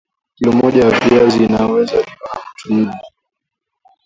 kilo moja ya viazi inaweza liwa na watu nne